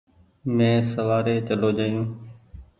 مينٚ سوآري چلو جآيو